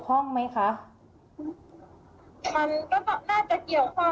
คือให้เจอให้เจอพี่ตุ้มมาค่ะอืมให้เจอพี่ตุ้มโดยวัยแบบว่า